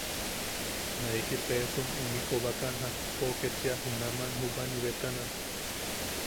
Naiki pesom ili kobakan jakko ketchia junaman Jubanibetana.